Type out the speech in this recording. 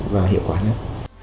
và hiệu quả nhất